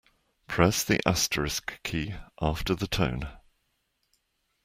Press the asterisk key after the tone.